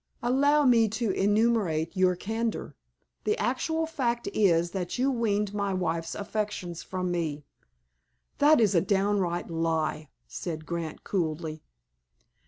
"Allow me to emulate your candor. The actual fact is that you weaned my wife's affections from me." "That is a downright lie," said Grant coolly.